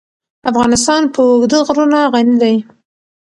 افغانستان په اوږده غرونه غني دی.